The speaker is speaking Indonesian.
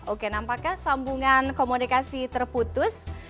oke nampaknya sambungan komunikasi terputus